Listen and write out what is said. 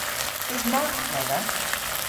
Eus margh dhedha?